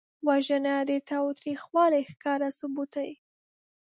وژنه د تاوتریخوالي ښکاره ثبوت دی